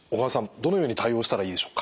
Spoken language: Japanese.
どのように対応したらいいでしょうか。